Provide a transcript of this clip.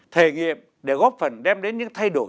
thể nghiệm để góp phần đem đến những thay đổi